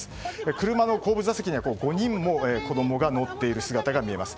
車の後部座席には５人も子供が乗っている姿が見えます。